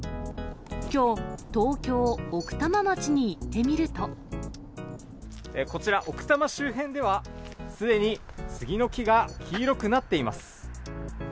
きょう、こちら、奥多摩周辺では、すでにスギの木が黄色くなっています。